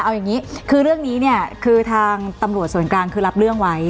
เอาอย่างนี้คือเรื่องนี้เนี่ยคือทางตำรวจส่วนกลางคือรับเรื่องไว้